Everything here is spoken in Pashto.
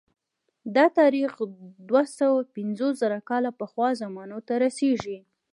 دا تاریخ دوه سوه پنځوس زره کاله پخوا زمانو ته رسېږي